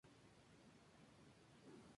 Tiene ascendencia Inglesa por parte de su padre.